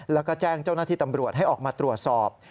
แล้วก็แจ้งเจ้าหน้าที่ตำรวจให้ออกมาตรวจสอบ